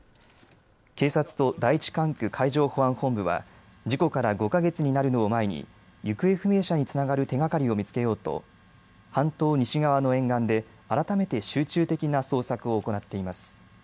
警察と第１管区海上保安本部は事故から５か月になるのを前に行方不明者につながる手がかりを見つけようと半島西側の沿岸で改めて集中的な捜索を行っています。